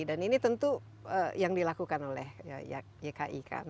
dan ini tentu yang dilakukan oleh yki kan